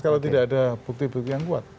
kalau tidak ada bukti bukti yang kuat